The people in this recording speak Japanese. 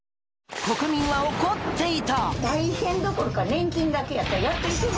国民は怒っていた。